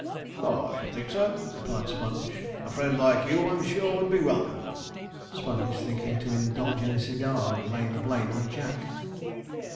'Oh, I should think so,' replied Sponge; 'a friend like you, I'm sure, would be welcome' Sponge thinking to indulge in a cigar, and lay the blame on Jack.